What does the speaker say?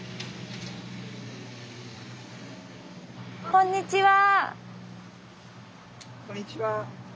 こんにちは。